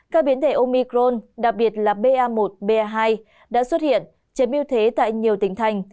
các biến thể omicron đặc biệt là ba một ba hai đã xuất hiện chế miêu thế tại nhiều tỉnh thành